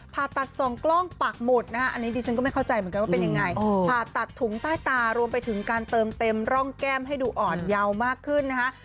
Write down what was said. ผ่าตัดสองกล้องปากหมุดนะฮะอันนี้ดิฉันก็ไม่เข้าใจเหมือนกันว่าเป็นยังไงผ่าตัดถุงใต้ตารวมไปถึงการเติมเต็มร่องแก้มให้ดูอ่อนเยาว์มากขึ้นนะคะ